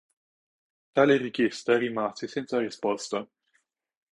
Tale richiesta rimase senza risposta.